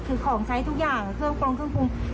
คือของใช้ทุกอย่างเครื่องปรุงเครื่องปรุง